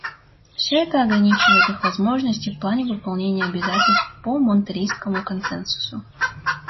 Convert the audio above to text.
Все это ограничивает их возможности в плане выполнения обязательств по Монтеррейскому консенсусу.